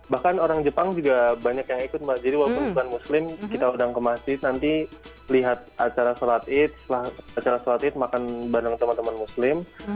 bahkan orang jepang juga banyak yang ikut mbak jadi walaupun bukan muslim kita udah ke masjid nanti lihat acara sholat id makan bareng teman teman muslim